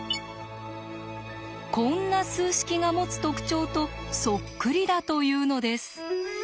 こんな数式が持つ特徴とそっくりだというのです。